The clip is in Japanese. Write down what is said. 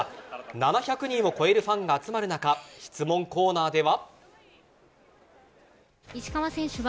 ７００人を超えるファンが集まる中質問コーナーでは。